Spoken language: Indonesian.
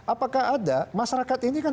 apakah ada masyarakat ini kan